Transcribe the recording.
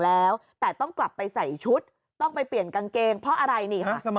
แล้วแต่ต้องกลับไปใส่ชุดต้องไปเปลี่ยนกางเกงเพราะอะไรนี่ค่ะ